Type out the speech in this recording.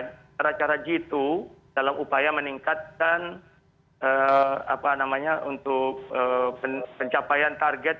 cara cara jitu dalam upaya meningkatkan apa namanya untuk pencapaian target